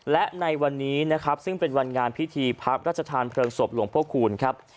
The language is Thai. และในวันนี้นะครับซึ่งเป็นวันงานพิธีพระราชทานเพลิงศพหลวงพ่อคูณครับ